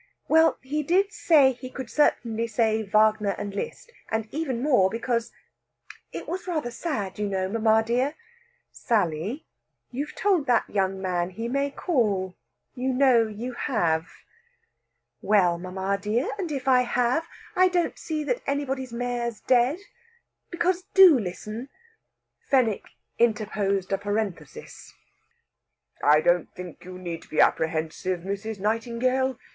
"Well, he said he could certainly say Wagner and Liszt, and even more, because it was rather sad, you know, mamma dear " "Sally, you've told that young man he may call; you know you have!" "Well, mamma dear, and if I have, I don't see that anybody's mare's dead. Because, do listen!" Fenwick interposed a parenthesis. "I don't think you need to be apprehensive, Mrs. Nightingale.